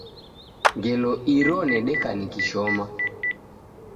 Ngelo iro nedeka ngishoma